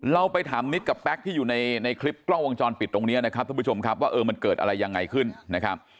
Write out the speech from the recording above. เราไปถามนิดกับแป๊กที่อยู่ในคลิปกล้องวงจรปิดตรงนี้นะครับทุกผู้ชมครับว่าเออมันเกิดอะไรยังไงขึ้นนะครับ